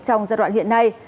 trong giai đoạn hiện nay